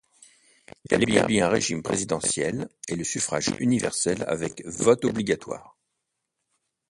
Elle établit un régime présidentiel et le suffrage universel avec vote obligatoire.